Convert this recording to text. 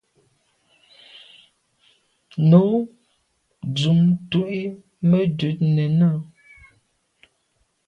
Nu dun tu i me dut nène.